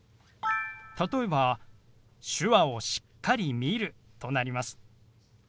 例えば「手話をしっかり見る」となります。